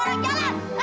ada pada ada pada